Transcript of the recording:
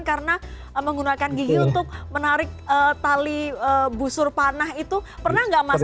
karena menggunakan gigi untuk menarik tali busur panah itu pernah gak mas